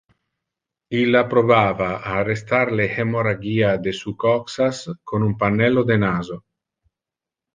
Illa probava a arrestar le hemorrhagia de su coxas con un pannello de naso.